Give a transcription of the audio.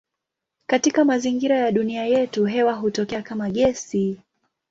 Katika mazingira ya dunia yetu hewa hutokea kama gesi.